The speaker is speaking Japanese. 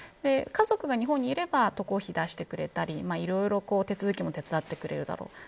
家族が日本にいれば渡航費用出してくれたりいろいろ手続きも手伝ってくれるだろう。